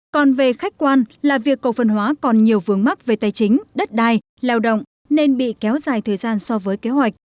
còn về khách quan là việc cổ phần hóa còn nhiều vướng mắc về tài chính đất đai lao động nên bị kéo dài thời gian so với kế hoạch